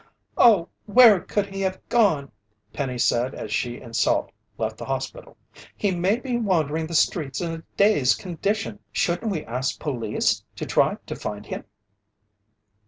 "Oh, where could he have gone?" Penny said as she and Salt left the hospital. "He may be wandering the streets in a dazed condition. Shouldn't we ask police to try to find him?"